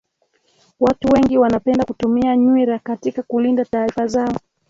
watu wengi wanapenda kutumia nywira katika kulinda taarifa zao